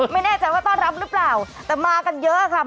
ไม่แน่ใจว่าต้อนรับหรือเปล่าแต่มากันเยอะค่ะ